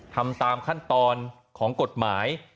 ทำตามขั้นตอนของกฎหมาย